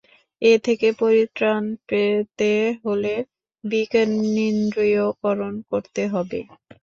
এ থেকে পরিত্রাণ পেতে হলে বিকেন্দ্রীকরণ করতে হবে।